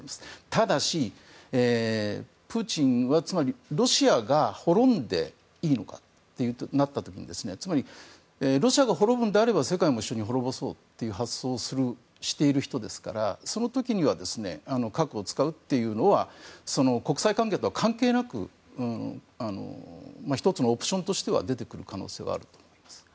ただし、プーチンはロシアが滅んでいいのかとなった時につまり、ロシアが滅ぶのであれば世界も一緒に滅ぼそうという発想をしている人ですからその時には核を使うというのは国際関係とは関係なく１つのオプションとしては出てくる可能性はあると思います。